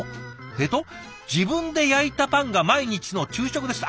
えっと「自分で焼いたパンが毎日の昼食です」。